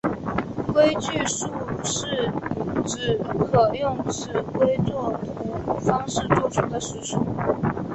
规矩数是指可用尺规作图方式作出的实数。